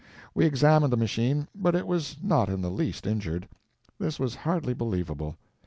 We examined the machine, but it was not in the least injured. This was hardly believable.